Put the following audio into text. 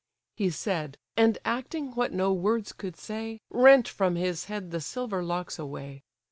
He said, and acting what no words could say, Rent from his head the silver locks away.